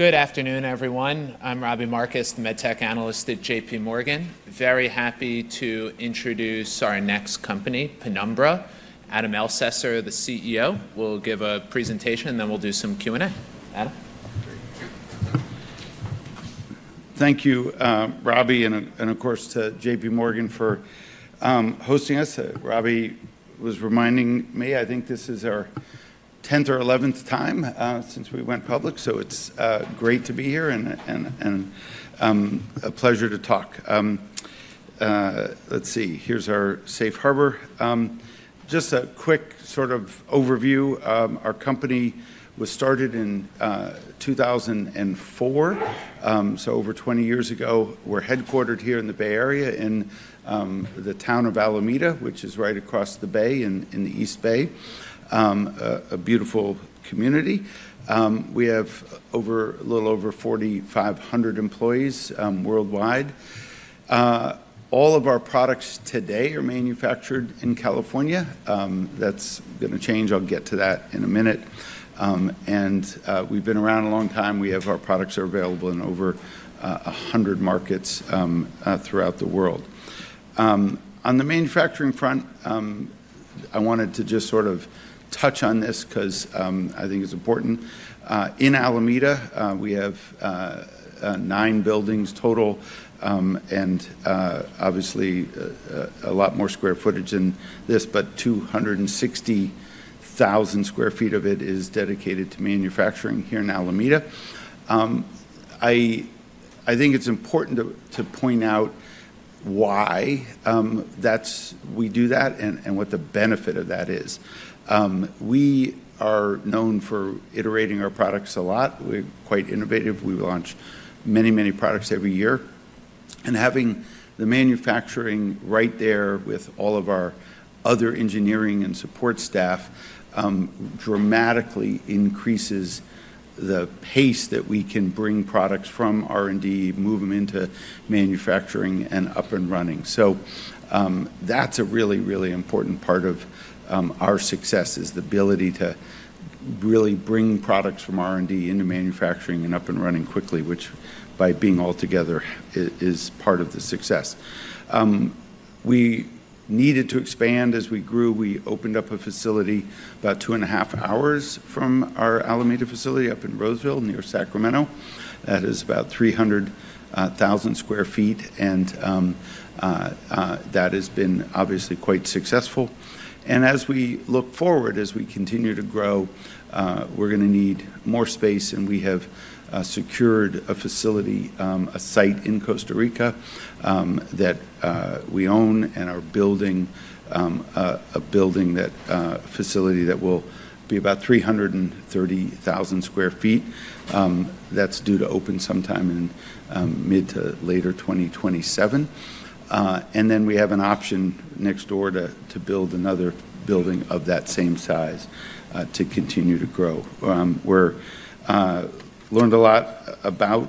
Good afternoon, everyone. I'm Robbie Marcus, the MedTech Analyst at JPMorgan. Very happy to introduce our next company, Penumbra. Adam Elsesser, the CEO, will give a presentation, and then we'll do some Q&A. Adam. Thank you, Robbie, and of course, to JPMorgan for hosting us. Robbie was reminding me. I think this is our 10th or 11th time since we went public, so it's great to be here and a pleasure to talk. Let's see, here's our safe harbor. Just a quick sort of overview: our company was started in 2004, so over 20 years ago. We're headquartered here in the Bay Area in the town of Alameda, which is right across the bay in the East Bay, a beautiful community. We have a little over 4,500 employees worldwide. All of our products today are manufactured in California. That's going to change. I'll get to that in a minute, and we've been around a long time. Our products are available in over 100 markets throughout the world. On the manufacturing front, I wanted to just sort of touch on this because I think it's important. In Alameda, we have nine buildings total, and obviously, a lot more square footage than this, but 260,000 sq ft of it is dedicated to manufacturing here in Alameda. I think it's important to point out why we do that and what the benefit of that is. We are known for iterating our products a lot. We're quite innovative. We launch many, many products every year. And having the manufacturing right there with all of our other engineering and support staff dramatically increases the pace that we can bring products from R&D, move them into manufacturing, and up and running. So that's a really, really important part of our success: the ability to really bring products from R&D into manufacturing and up and running quickly, which by being altogether is part of the success. We needed to expand as we grew. We opened up a facility about two and a half hours from our Alameda facility, up in Roseville, near Sacramento. That is about 300,000 sq ft, and that has been obviously quite successful. And as we look forward, as we continue to grow, we're going to need more space, and we have secured a facility, a site in Costa Rica that we own, and are building a facility that will be about 330,000 sq ft. That's due to open sometime in mid to late 2027. And then we have an option next door to build another building of that same size to continue to grow. We've learned a lot about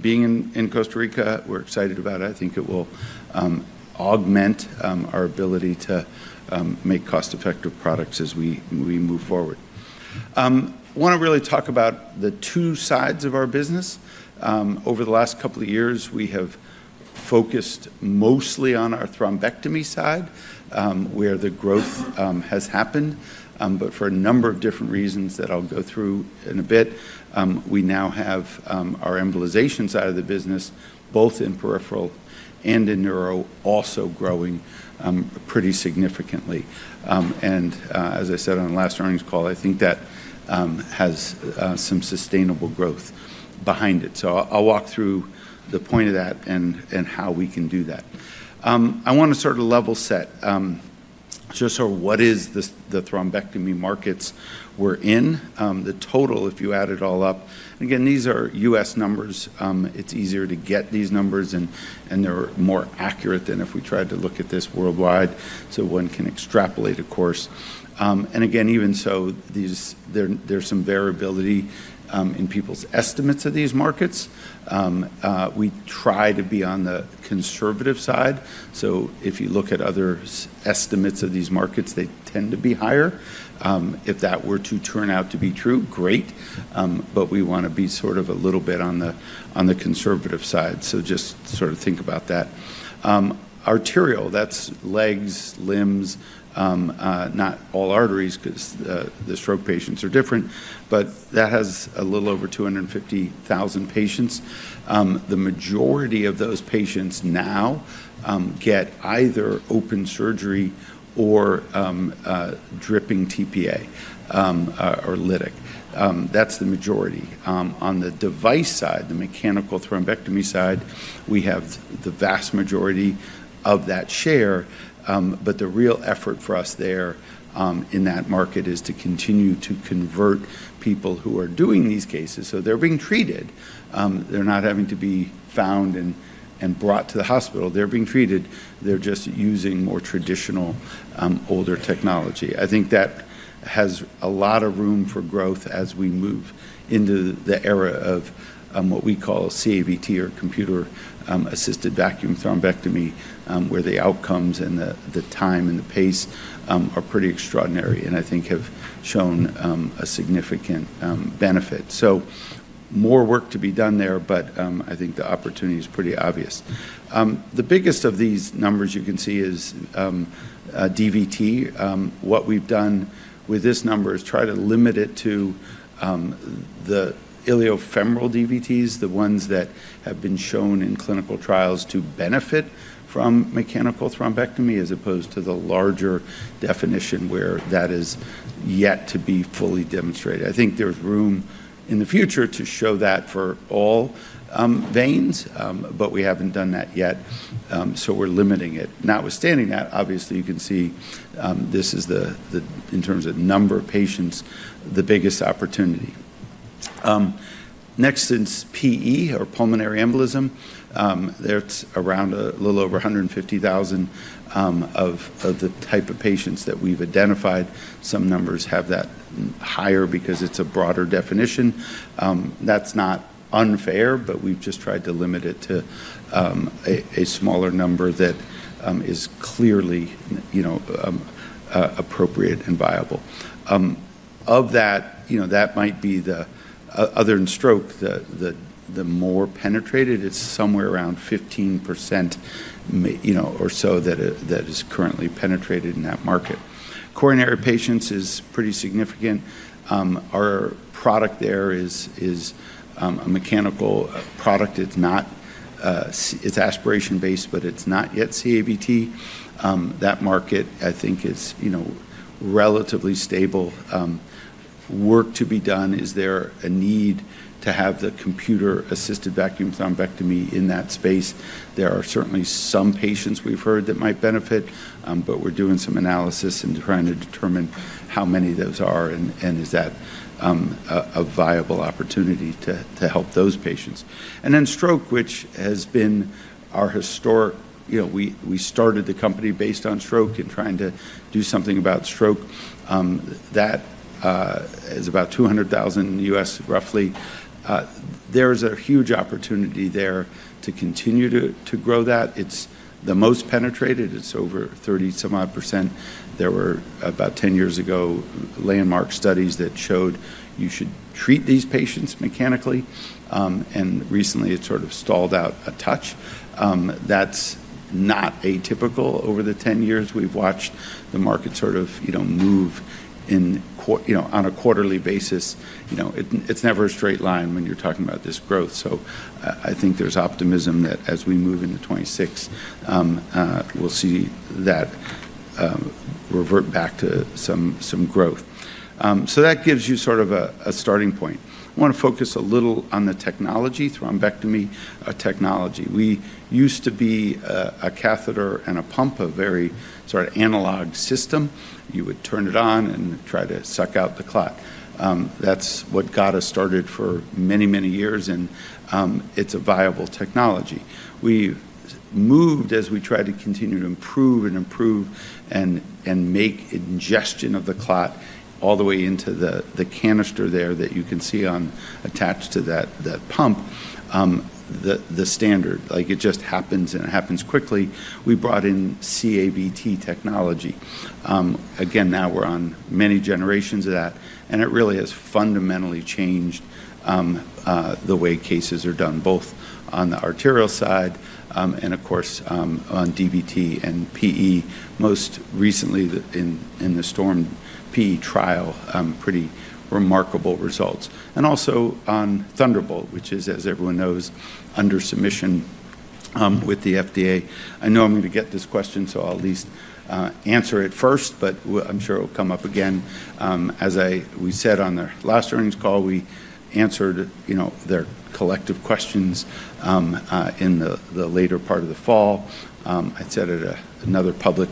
being in Costa Rica. We're excited about it. I think it will augment our ability to make cost-effective products as we move forward. I want to really talk about the two sides of our business. Over the last couple of years, we have focused mostly on our thrombectomy side, where the growth has happened, but for a number of different reasons that I'll go through in a bit. We now have our embolization side of the business, both in peripheral and in neuro, also growing pretty significantly. And as I said on the last earnings call, I think that has some sustainable growth behind it. So I'll walk through the point of that and how we can do that. I want to sort of level set. Just sort of what is the thrombectomy markets we're in? The total, if you add it all up. Again, these are U.S. numbers. It's easier to get these numbers, and they're more accurate than if we tried to look at this worldwide, so one can extrapolate, of course. And again, even so, there's some variability in people's estimates of these markets. We try to be on the conservative side, so if you look at other estimates of these markets, they tend to be higher. If that were to turn out to be true, great. But we want to be sort of a little bit on the conservative side, so just sort of think about that. Arterial, that's legs, limbs, not all arteries because the stroke patients are different, but that has a little over 250,000 patients. The majority of those patients now get either open surgery or dripping tPA or lytic. That's the majority. On the device side, the mechanical thrombectomy side, we have the vast majority of that share, but the real effort for us there in that market is to continue to convert people who are doing these cases so they're being treated. They're not having to be found and brought to the hospital. They're being treated. They're just using more traditional, older technology. I think that has a lot of room for growth as we move into the era of what we call CAVT or Computer-Assisted Vacuum Thrombectomy, where the outcomes and the time and the pace are pretty extraordinary and I think have shown a significant benefit. So more work to be done there, but I think the opportunity is pretty obvious. The biggest of these numbers you can see is DVT. What we've done with this number is try to limit it to the iliofemoral DVTs, the ones that have been shown in clinical trials to benefit from mechanical thrombectomy as opposed to the larger definition where that is yet to be fully demonstrated. I think there's room in the future to show that for all veins, but we haven't done that yet, so we're limiting it. Notwithstanding that, obviously you can see this is the, in terms of number of patients, the biggest opportunity. Next, since PE or pulmonary embolism, there's around a little over 150,000 of the type of patients that we've identified. Some numbers have that higher because it's a broader definition. That's not unfair, but we've just tried to limit it to a smaller number that is clearly appropriate and viable. Of that, that might be the other than stroke, the more penetrated. It's somewhere around 15% or so that is currently penetrated in that market. Coronary patients is pretty significant. Our product there is a mechanical product. It's aspiration-based, but it's not yet CAVT. That market, I think, is relatively stable. Work to be done. Is there a need to have the computer-assisted vacuum thrombectomy in that space? There are certainly some patients we've heard that might benefit, but we're doing some analysis and trying to determine how many those are and is that a viable opportunity to help those patients. And then stroke, which has been our historic—we started the company based on stroke and trying to do something about stroke. That is about 200,000 in the U.S., roughly. There's a huge opportunity there to continue to grow that. It's the most penetrated. It's over 30-some odd %. There were about 10 years ago landmark studies that showed you should treat these patients mechanically, and recently it sort of stalled out a touch. That's not atypical over the 10 years. We've watched the market sort of move on a quarterly basis. It's never a straight line when you're talking about this growth, so I think there's optimism that as we move into 2026, we'll see that revert back to some growth. So that gives you sort of a starting point. I want to focus a little on the technology, thrombectomy technology. We used to be a catheter and a pump, a very sort of analog system. You would turn it on and try to suck out the clot. That's what got us started for many, many years, and it's a viable technology. We moved as we tried to continue to improve and improve and make ingestion of the clot all the way into the canister there that you can see attached to that pump, the standard. It just happens, and it happens quickly. We brought in CAVT technology. Again, now we're on many generations of that, and it really has fundamentally changed the way cases are done, both on the arterial side and, of course, on DVT and PE. Most recently, in the STORM-PE trial, pretty remarkable results, and also on Thunderbolt, which is, as everyone knows, under submission with the FDA. I know I'm going to get this question, so I'll at least answer it first, but I'm sure it'll come up again. As we said on the last earnings call, we answered their collective questions in the later part of the fall. I said at another public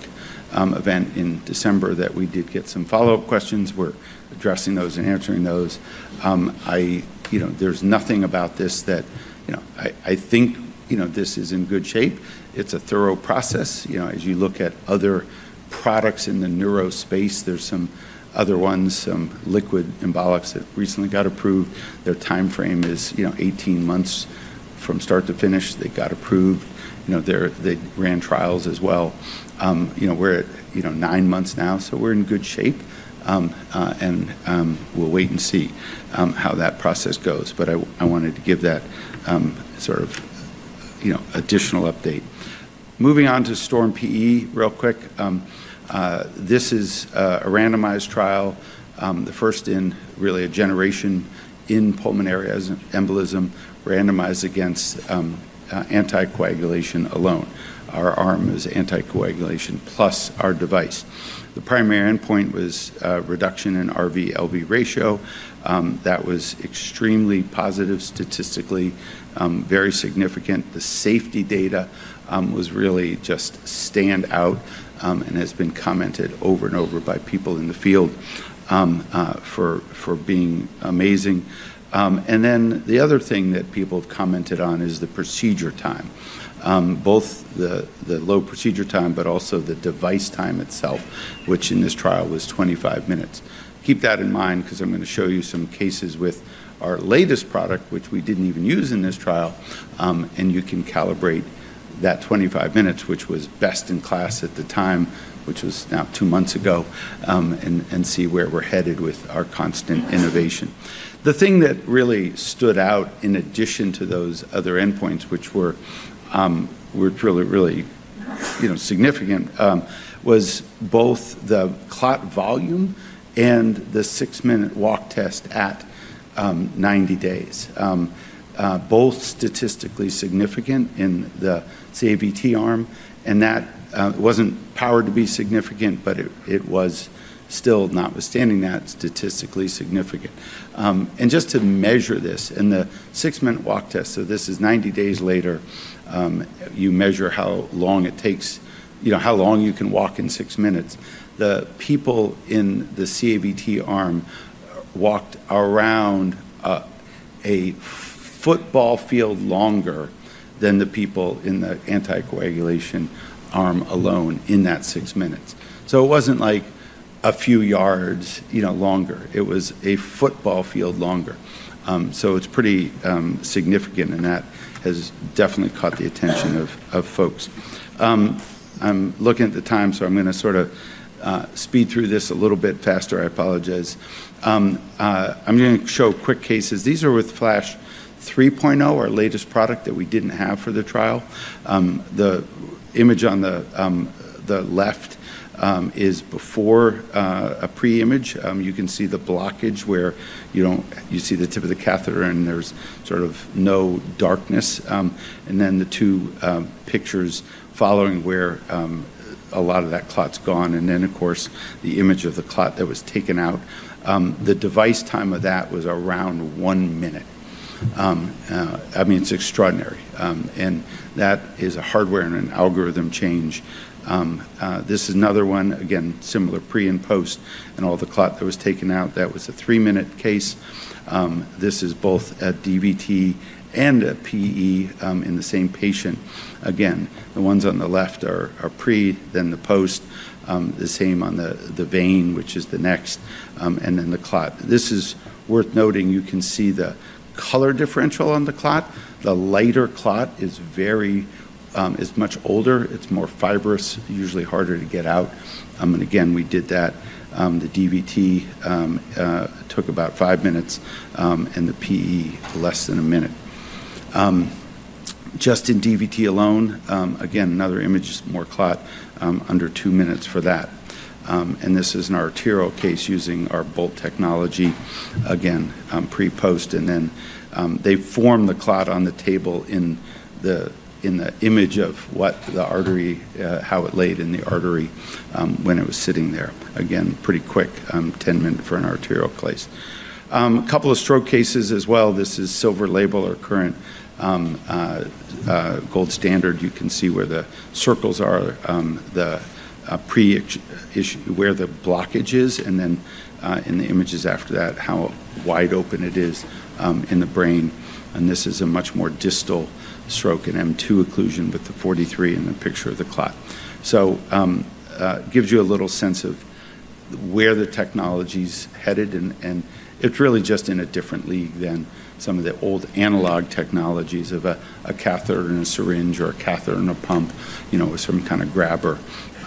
event in December that we did get some follow-up questions. We're addressing those and answering those. There's nothing about this that I think this is in good shape. It's a thorough process. As you look at other products in the neuro space, there's some other ones, some liquid embolics that recently got approved. Their timeframe is 18 months from start to finish. They got approved. They ran trials as well. We're at nine months now, so we're in good shape, and we'll wait and see how that process goes. But I wanted to give that sort of additional update. Moving on to STORM-PE real quick. This is a randomized trial, the first in really a generation in pulmonary embolism, randomized against anticoagulation alone. Our arm is anticoagulation plus our device. The primary endpoint was a reduction in RV/LV ratio. That was extremely positive statistically, very significant. The safety data was really just stand out and has been commented over and over by people in the field for being amazing, and then the other thing that people have commented on is the procedure time, both the low procedure time but also the device time itself, which in this trial was 25 minutes. Keep that in mind because I'm going to show you some cases with our latest product, which we didn't even use in this trial, and you can calibrate that 25 minutes, which was best in class at the time, which was now two months ago, and see where we're headed with our constant innovation. The thing that really stood out in addition to those other endpoints, which were really, really significant, was both the clot volume and the six-minute walk test at 90 days. Both statistically significant in the CAVT arm, and that wasn't powered to be significant, but it was still, notwithstanding that, statistically significant. And just to measure this in the six-minute walk test, so this is 90 days later, you measure how long it takes, how long you can walk in six minutes. The people in the CAVT arm walked around a football field longer than the people in the anticoagulation arm alone in that six minutes. So it wasn't like a few yards longer. It was a football field longer. So it's pretty significant, and that has definitely caught the attention of folks. I'm looking at the time, so I'm going to sort of speed through this a little bit faster. I apologize. I'm going to show quick cases. These are with Flash 3.0, our latest product that we didn't have for the trial. The image on the left is before a pre-image. You can see the blockage where you can see the tip of the catheter, and there's sort of no darkness, and then the two pictures following where a lot of that clot's gone, and then, of course, the image of the clot that was taken out. The device time of that was around one minute. I mean, it's extraordinary, and that is a hardware and an algorithm change. This is another one, again, similar pre and post, and all the clot that was taken out. That was a three-minute case. This is both a DVT and a PE in the same patient. Again, the ones on the left are pre, then the post, the same on the vein, which is the next, and then the clot. This is worth noting. You can see the color differential on the clot. The lighter clot is much older. It's more fibrous, usually harder to get out, and again, we did that. The DVT took about five minutes, and the PE less than a minute. Just in DVT alone, again, another image is more clot, under two minutes for that, and this is an arterial case using our Bolt technology, again, pre, post, and then they form the clot on the table in the image of how it laid in the artery when it was sitting there. Again, pretty quick, 10 minutes for an arterial case. A couple of stroke cases as well. This is Silver Label, our current gold standard. You can see where the circles are, where the blockage is, and then in the images after that, how wide open it is in the brain. This is a much more distal stroke, an M2 occlusion with the 43 in the picture of the clot. It gives you a little sense of where the technology's headed, and it's really just in a different league than some of the old analog technologies of a catheter and a syringe or a catheter and a pump, some kind of grabber.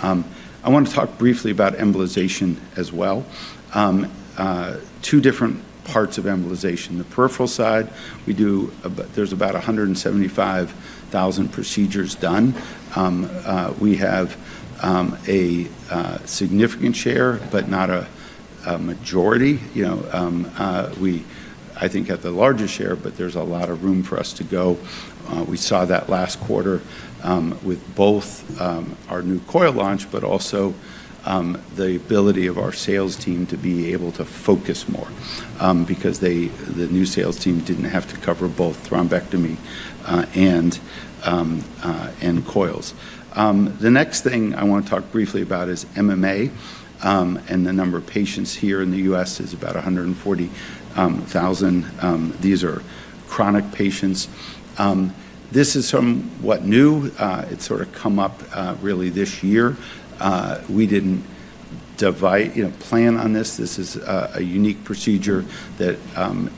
I want to talk briefly about embolization as well. Two different parts of embolization. The peripheral side, there's about 175,000 procedures done. We have a significant share, but not a majority. We, I think, have the largest share, but there's a lot of room for us to go. We saw that last quarter with both our new coil launch, but also the ability of our sales team to be able to focus more because the new sales team didn't have to cover both thrombectomy and coils. The next thing I want to talk briefly about is MMA, and the number of patients here in the U.S. is about 140,000. These are chronic patients. This is somewhat new. It's sort of come up really this year. We didn't plan on this. This is a unique procedure that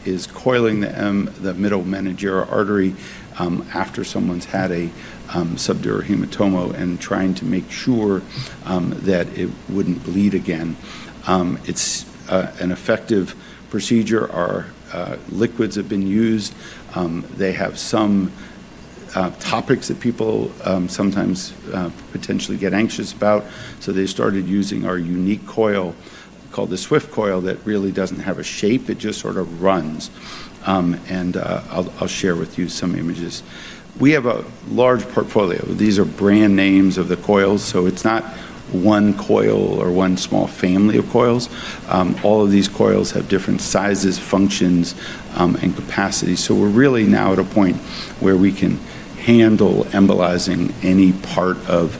is coiling the middle meningeal artery after someone's had a subdural hematoma and trying to make sure that it wouldn't bleed again. It's an effective procedure. Our liquids have been used. They have some topics that people sometimes potentially get anxious about, so they started using our unique coil called the Swift Coil that really doesn't have a shape. It just sort of runs. And I'll share with you some images. We have a large portfolio. These are brand names of the coils, so it's not one coil or one small family of coils. All of these coils have different sizes, functions, and capacity. So we're really now at a point where we can handle embolizing any part of,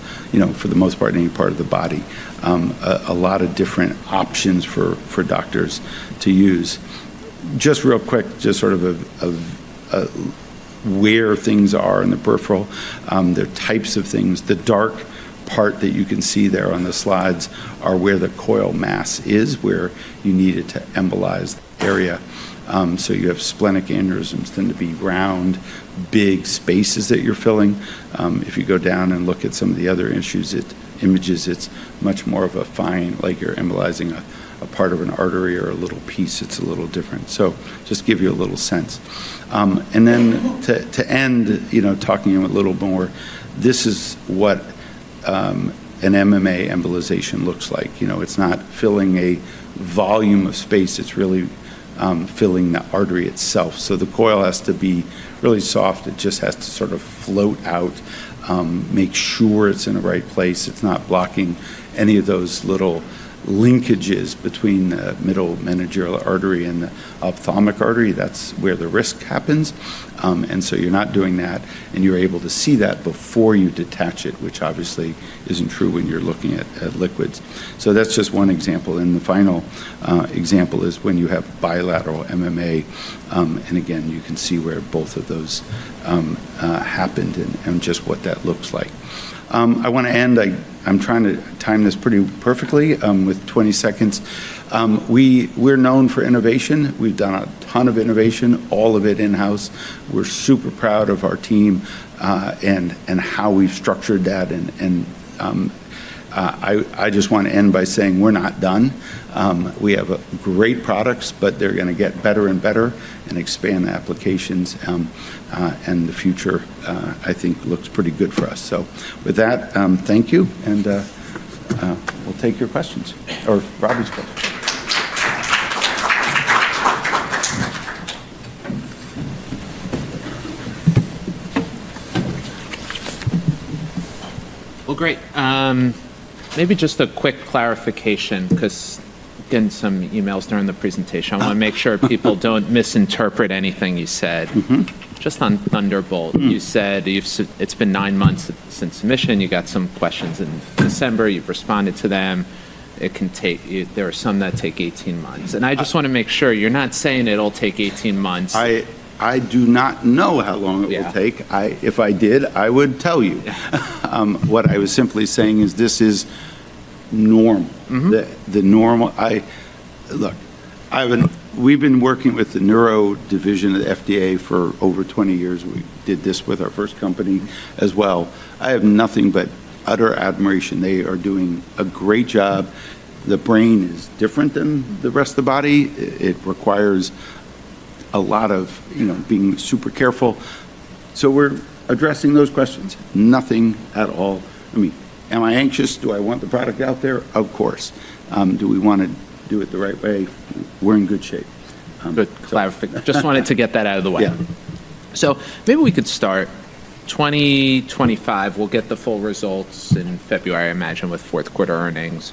for the most part, any part of the body. A lot of different options for doctors to use. Just real quick, just sort of where things are in the peripheral, the types of things. The dark part that you can see there on the slides are where the coil mass is, where you need it to embolize area. So you have splenic aneurysms, tend to be round, big spaces that you're filling. If you go down and look at some of the other images, it's much more of a fine line like you're embolizing a part of an artery or a little piece. It's a little different. So just to give you a little sense. And then, to end, talking a little more, this is what an MMA embolization looks like. It's not filling a volume of space. It's really filling the artery itself. So the coil has to be really soft. It just has to sort of float out, make sure it's in the right place. It's not blocking any of those little linkages between the middle meningeal artery and the ophthalmic artery. That's where the risk happens. And so you're not doing that, and you're able to see that before you detach it, which obviously isn't true when you're looking at liquids. So that's just one example. And the final example is when you have bilateral MMA. And again, you can see where both of those happened and just what that looks like. I want to end. I'm trying to time this pretty perfectly with 20 seconds. We're known for innovation. We've done a ton of innovation, all of it in-house. We're super proud of our team and how we've structured that. And I just want to end by saying we're not done. We have great products, but they're going to get better and better and expand applications. And the future, I think, looks pretty good for us. So with that, thank you. And we'll take your questions or Robbie's questions. Great. Maybe just a quick clarification, because in some emails during the presentation, I want to make sure people don't misinterpret anything you said. Just on Thunderbolt, you said it's been nine months since submission. You got some questions in December. You've responded to them. There are some that take 18 months. And I just want to make sure you're not saying it'll take 18 months. I do not know how long it will take. If I did, I would tell you. What I was simply saying is this is normal. Look, we've been working with the neuro division of the FDA for over 20 years. We did this with our first company as well. I have nothing but utter admiration. They are doing a great job. The brain is different than the rest of the body. It requires a lot of being super careful. So we're addressing those questions. Nothing at all. I mean, am I anxious? Do I want the product out there? Of course. Do we want to do it the right way? We're in good shape. Just wanted to get that out of the way. So maybe we could start 2025. We'll get the full results in February, I imagine, with fourth quarter earnings.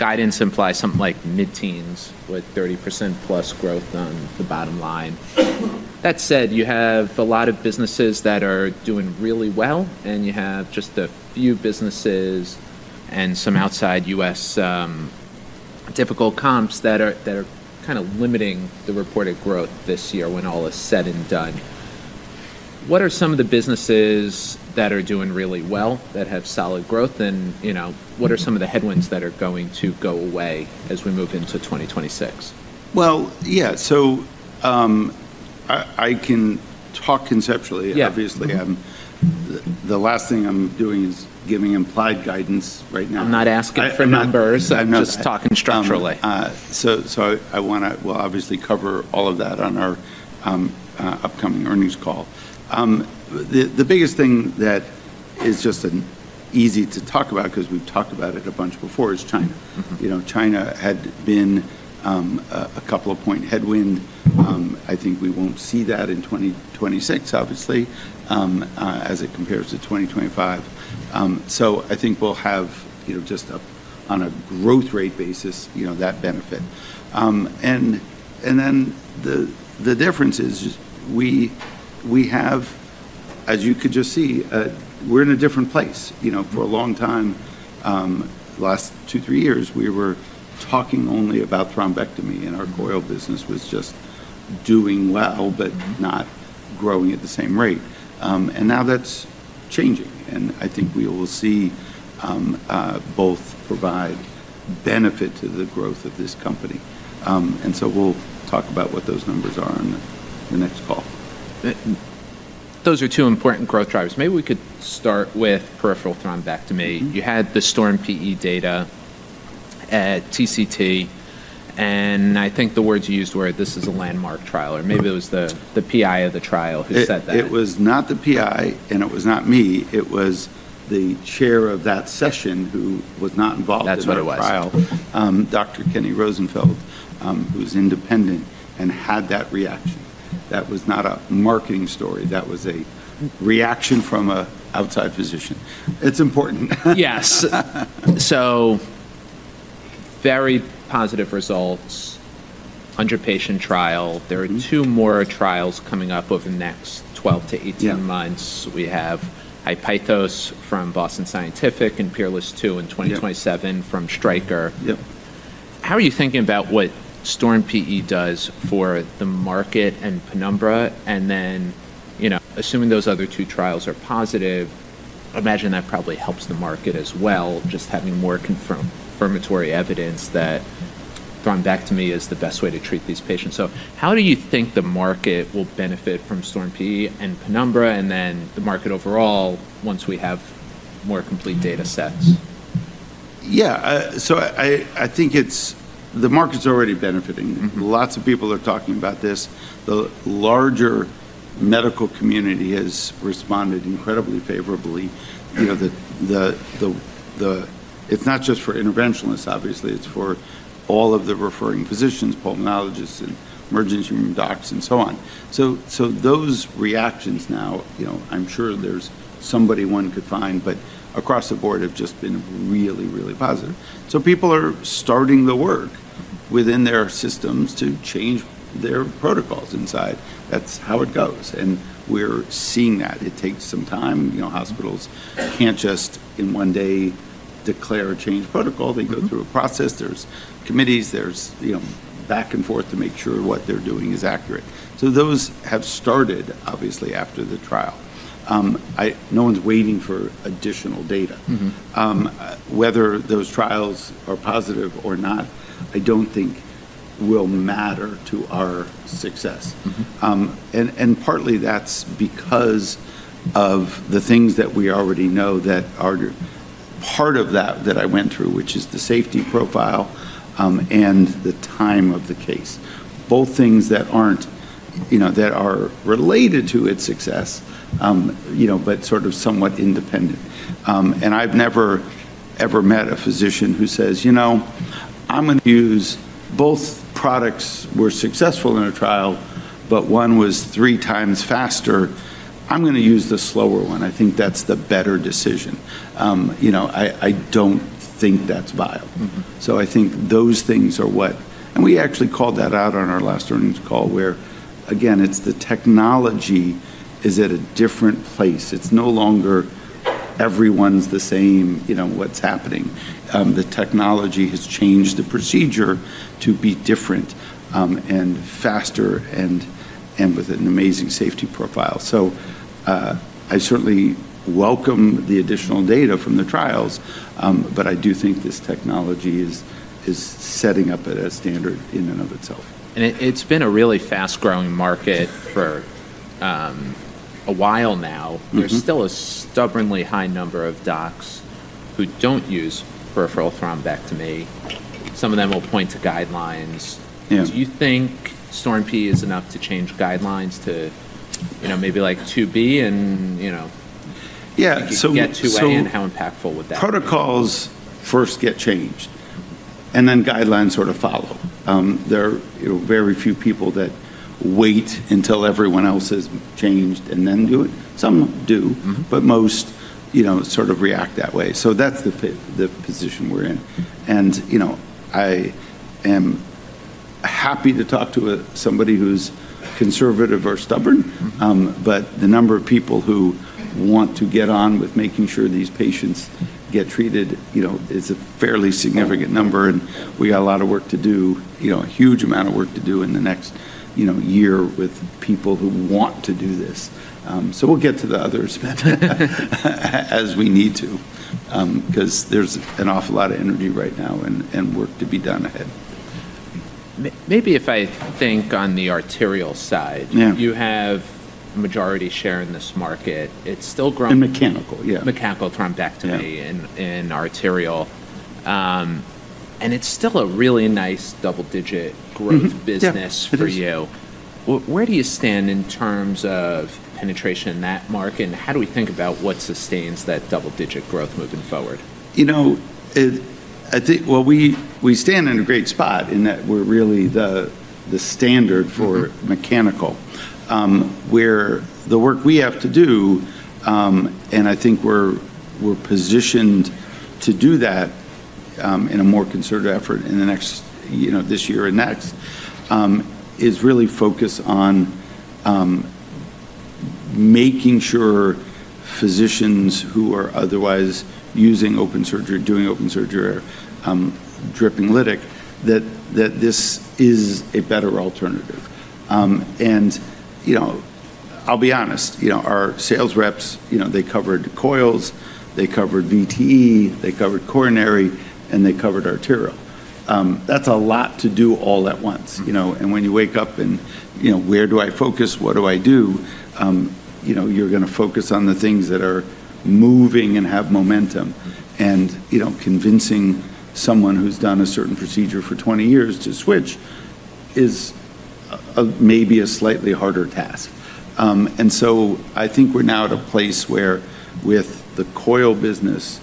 Guidance implies something like mid-teens with 30% plus growth on the bottom line. That said, you have a lot of businesses that are doing really well, and you have just a few businesses and some outside U.S. difficult comps that are kind of limiting the reported growth this year when all is said and done. What are some of the businesses that are doing really well that have solid growth? And what are some of the headwinds that are going to go away as we move into 2026? Yeah, so I can talk conceptually, obviously. The last thing I'm doing is giving implied guidance right now. I'm not asking for numbers. I'm just talking structurally. So I want to, well, obviously cover all of that on our upcoming earnings call. The biggest thing that is just easy to talk about because we've talked about it a bunch before is China. China had been a couple of point headwind. I think we won't see that in 2026, obviously, as it compares to 2025. So I think we'll have just on a growth rate basis that benefit. And then the difference is we have, as you could just see, we're in a different place. For a long time, the last two, three years, we were talking only about thrombectomy, and our coil business was just doing well but not growing at the same rate. And now that's changing. And I think we will see both provide benefit to the growth of this company. And so we'll talk about what those numbers are in the next call. Those are two important growth drivers. Maybe we could start with peripheral thrombectomy. You had the STORM-PE data at TCT, and I think the words you used were, "This is a landmark trial," or maybe it was the PI of the trial who said that. It was not the PI, and it was not me. It was the chair of that session who was not involved in that trial, Dr. Kenneth Rosenfeld, who's independent and had that reaction. That was not a marketing story. That was a reaction from an outside physician. It's important. Yes. So very positive results in the patient trial. There are two more trials coming up over the next 12-18 months. We have HI-PEITHO from Boston Scientific and PEERLESS II in 2027 from Stryker. How are you thinking about what STORM-PE does for the market and Penumbra? And then assuming those other two trials are positive, I imagine that probably helps the market as well, just having more confirmatory evidence that thrombectomy is the best way to treat these patients. So how do you think the market will benefit from STORM-PE and Penumbra and then the market overall once we have more complete data sets? Yeah. So I think the market's already benefiting. Lots of people are talking about this. The larger medical community has responded incredibly favorably. It's not just for interventionalists, obviously. It's for all of the referring physicians, pulmonologists, and emergency room docs, and so on. So those reactions now, I'm sure there's somebody one could find, but across the board have just been really, really positive. So people are starting the work within their systems to change their protocols inside. That's how it goes. And we're seeing that. It takes some time. Hospitals can't just in one day declare a change protocol. They go through a process. There's committees. There's back and forth to make sure what they're doing is accurate. So those have started, obviously, after the trial. No one's waiting for additional data. Whether those trials are positive or not, I don't think will matter to our success. And partly that's because of the things that we already know that are part of that that I went through, which is the safety profile and the time of the case. Both things that are related to its success, but sort of somewhat independent. And I've never ever met a physician who says, "I'm going to use both products were successful in a trial, but one was three times faster. I'm going to use the slower one. I think that's the better decision." I don't think that's viable. So I think those things are what, and we actually called that out on our last earnings call where, again, it's the technology is at a different place. It's no longer everyone's the same what's happening. The technology has changed the procedure to be different and faster and with an amazing safety profile. So I certainly welcome the additional data from the trials, but I do think this technology is setting up at a standard in and of itself. It's been a really fast-growing market for a while now. There's still a stubbornly high number of docs who don't use peripheral thrombectomy. Some of them will point to guidelines. Do you think STORM-PE is enough to change guidelines to maybe like 2B and? Yeah. Get 2A and how impactful would that be? Protocols first get changed, and then guidelines sort of follow. There are very few people that wait until everyone else has changed and then do it. Some do, but most sort of react that way. So that's the position we're in. And I am happy to talk to somebody who's conservative or stubborn, but the number of people who want to get on with making sure these patients get treated is a fairly significant number. And we got a lot of work to do, a huge amount of work to do in the next year with people who want to do this. So we'll get to the others as we need to because there's an awful lot of energy right now and work to be done ahead. Maybe if I think on the arterial side, you have a majority share in this market. It's still growing. And mechanical, yeah. Mechanical thrombectomy and arterial, and it's still a really nice double-digit growth business for you. Where do you stand in terms of penetration in that market, and how do we think about what sustains that double-digit growth moving forward? Well, we stand in a great spot in that we're really the standard for mechanical. The work we have to do, and I think we're positioned to do that in a more concerted effort in this year and next, is really focused on making sure physicians who are otherwise using open surgery, doing open surgery, dripping lytic, that this is a better alternative. And I'll be honest, our sales reps, they covered coils. They covered VTE. They covered coronary. And they covered arterial. That's a lot to do all at once. And when you wake up and, "Where do I focus? What do I do?" You're going to focus on the things that are moving and have momentum. And convincing someone who's done a certain procedure for 20 years to switch is maybe a slightly harder task. And so I think we're now at a place where, with the coil business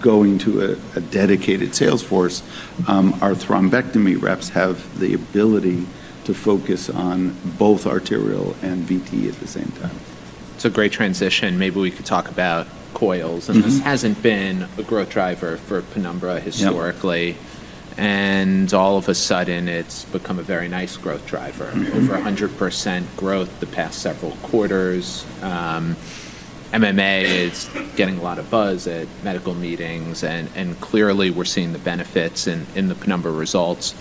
going to a dedicated salesforce, our thrombectomy reps have the ability to focus on both arterial and VTE at the same time. It's a great transition. Maybe we could talk about coils, and this hasn't been a growth driver for Penumbra historically. And all of a sudden, it's become a very nice growth driver. Over 100% growth the past several quarters. MMA is getting a lot of buzz at medical meetings, and clearly, we're seeing the benefits in the Penumbra results.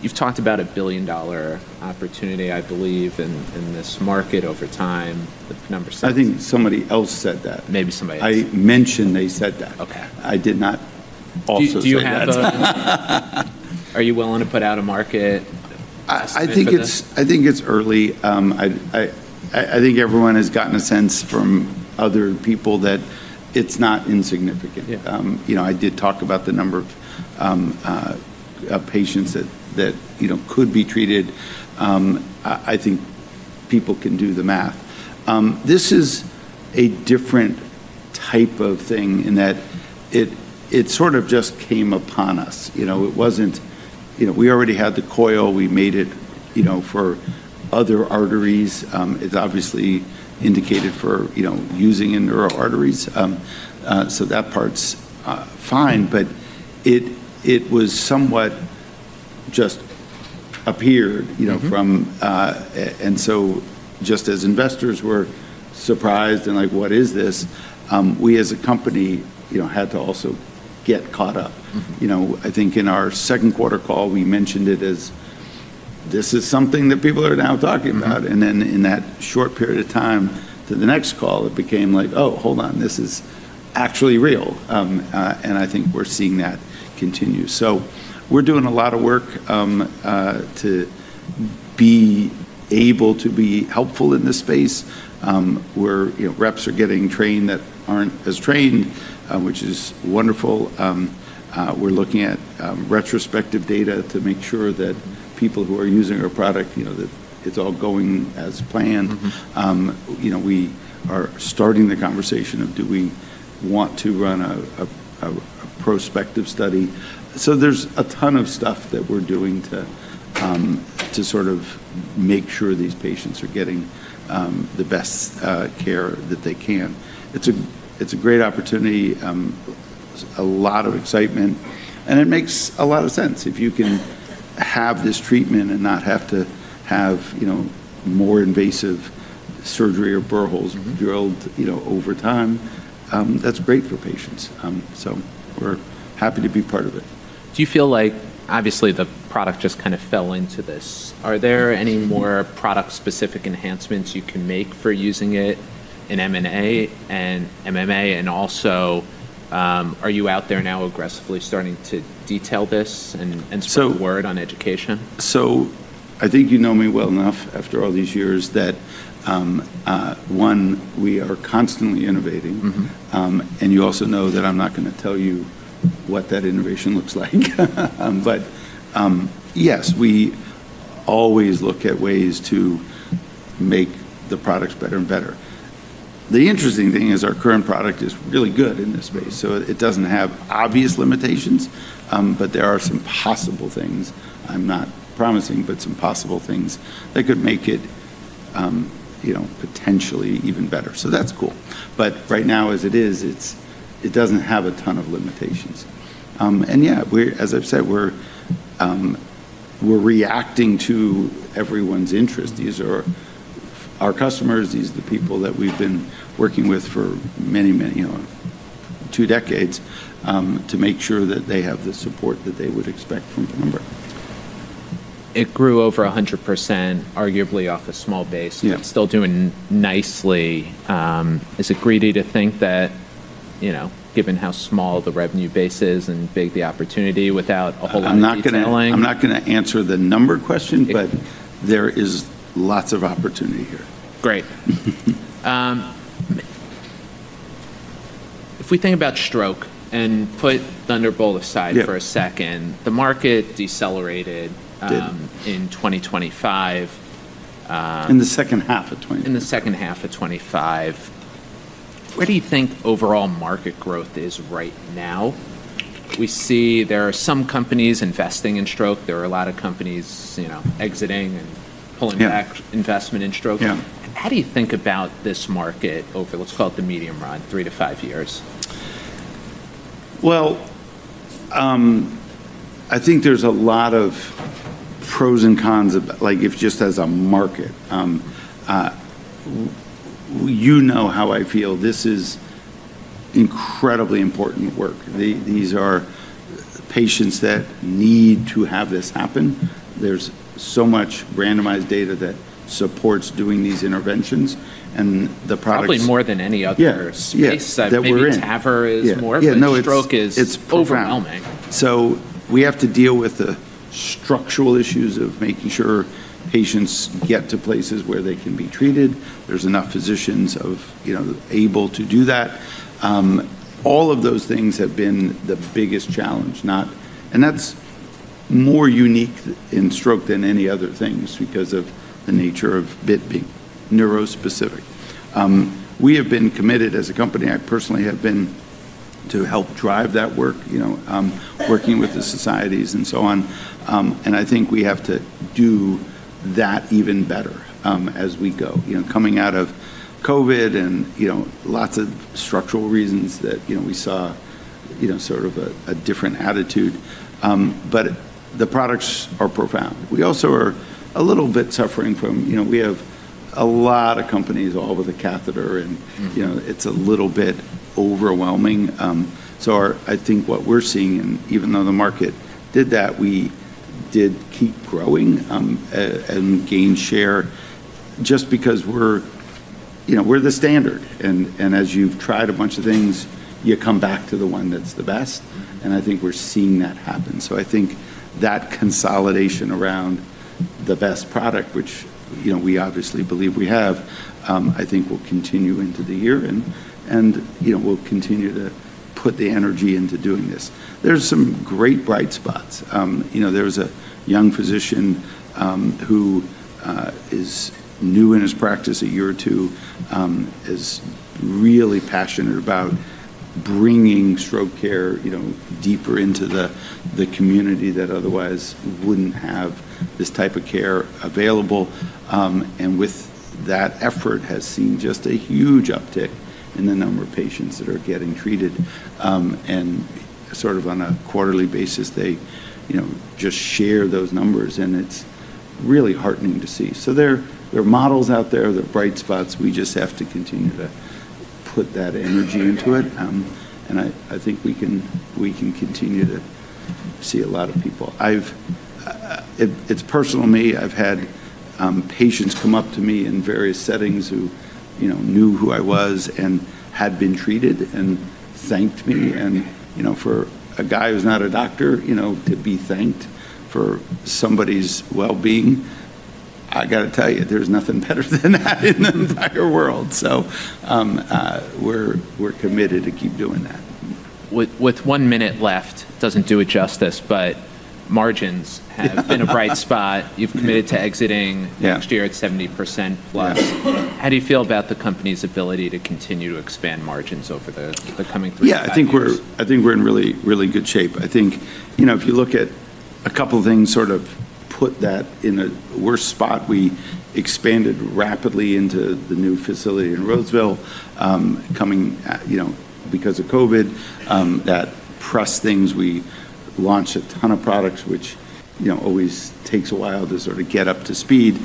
You've talked about a billion-dollar opportunity, I believe, in this market over time. The Penumbra says. I think somebody else said that. Maybe somebody else. I mentioned they said that. I did not also say that. Are you willing to put out a market? I think it's early. I think everyone has gotten a sense from other people that it's not insignificant. I did talk about the number of patients that could be treated. I think people can do the math. This is a different type of thing in that it sort of just came upon us. It wasn't. We already had the coil. We made it for other arteries. It's obviously indicated for using in neuro arteries. So that part's fine. But it was somewhat just appeared, and so just as investors were surprised and like, "What is this?" We, as a company, had to also get caught up. I think in our second quarter call, we mentioned it as, "This is something that people are now talking about," and then in that short period of time to the next call, it became like, "Oh, hold on. This is actually real." And I think we're seeing that continue. So we're doing a lot of work to be able to be helpful in this space. Reps are getting trained that aren't as trained, which is wonderful. We're looking at retrospective data to make sure that people who are using our product, that it's all going as planned. We are starting the conversation of, "Do we want to run a prospective study?" So there's a ton of stuff that we're doing to sort of make sure these patients are getting the best care that they can. It's a great opportunity, a lot of excitement. And it makes a lot of sense. If you can have this treatment and not have to have more invasive surgery or burr holes drilled over time, that's great for patients. So we're happy to be part of it. Do you feel like, obviously, the product just kind of fell into this? Are there any more product-specific enhancements you can make for using it in MMA? And also, are you out there now aggressively starting to detail this and spread the word on education? So I think you know me well enough after all these years that, one, we are constantly innovating. And you also know that I'm not going to tell you what that innovation looks like. But yes, we always look at ways to make the products better and better. The interesting thing is our current product is really good in this space. So it doesn't have obvious limitations, but there are some possible things. I'm not promising, but some possible things that could make it potentially even better. So that's cool. But right now, as it is, it doesn't have a ton of limitations. And yeah, as I've said, we're reacting to everyone's interest. These are our customers. These are the people that we've been working with for many, many two decades to make sure that they have the support that they would expect from Penumbra. It grew over 100%, arguably off a small base. Still doing nicely. Is it greedy to think that, given how small the revenue base is and big the opportunity without a whole lot of scaling? I'm not going to answer the number question, but there is lots of opportunity here. Great. If we think about stroke and put Thunderbolt aside for a second, the market decelerated in 2025. In the second half of 2025. In the second half of 2025. Where do you think overall market growth is right now? We see there are some companies investing in stroke. There are a lot of companies exiting and pulling back investment in stroke. How do you think about this market over, let's call it the medium run, three to five years? Well, I think there's a lot of pros and cons of it, just as a market. You know how I feel. This is incredibly important work. These are patients that need to have this happen. There's so much randomized data that supports doing these interventions. And the product's. Probably more than any other space. Yeah. That we're in. TAVR is more. Yeah. No, it's. Stroke is overwhelming. So we have to deal with the structural issues of making sure patients get to places where they can be treated. There's enough physicians able to do that. All of those things have been the biggest challenge. And that's more unique in stroke than any other things because of the nature of it being neurospecific. We have been committed as a company. I personally have been to help drive that work, working with the societies and so on. And I think we have to do that even better as we go, coming out of COVID and lots of structural reasons that we saw sort of a different attitude. But the products are profound. We also are a little bit suffering from we have a lot of companies all with a catheter, and it's a little bit overwhelming. So, I think what we're seeing, and even though the market did that, we did keep growing and gain share just because we're the standard. And as you've tried a bunch of things, you come back to the one that's the best. And I think we're seeing that happen. So, I think that consolidation around the best product, which we obviously believe we have, I think will continue into the year. And we'll continue to put the energy into doing this. There's some great bright spots. There's a young physician who is new in his practice a year or two, is really passionate about bringing stroke care deeper into the community that otherwise wouldn't have this type of care available. And with that effort, has seen just a huge uptick in the number of patients that are getting treated. And sort of on a quarterly basis, they just share those numbers. And it's really heartening to see. So there are models out there. There are bright spots. We just have to continue to put that energy into it. And I think we can continue to see a lot of people. It's personal to me. I've had patients come up to me in various settings who knew who I was and had been treated and thanked me. And for a guy who's not a doctor to be thanked for somebody's well-being, I got to tell you, there's nothing better than that in the entire world. So we're committed to keep doing that. With one minute left, it doesn't do it justice, but margins have been a bright spot. You've committed to exiting next year at 70% plus. How do you feel about the company's ability to continue to expand margins over the coming three months? Yeah. I think we're in really, really good shape. I think if you look at a couple of things sort of put that in a worse spot. We expanded rapidly into the new facility in Roseville coming because of COVID. That pressured things. We launched a ton of products, which always takes a while to sort of get up to speed.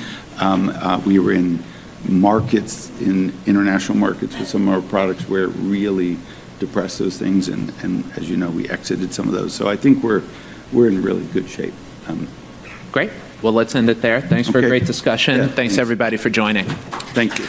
We were in international markets with some of our products where it really depressed those things. And as you know, we exited some of those. So I think we're in really good shape. Great. Well, let's end it there. Thanks for a great discussion. Thanks, everybody, for joining. Thanks.